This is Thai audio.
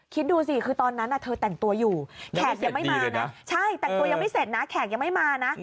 คิดดูสิคือตอนนั้นเธอแต่งตัวอยู่แขกยังไม่มานะ